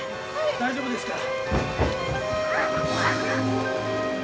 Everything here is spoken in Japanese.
大丈夫ですから。